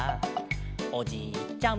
「おじいちゃん